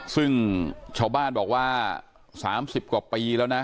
ซึ่งชาวบ้านบอกว่า๓๐กว่าปีแล้วนะ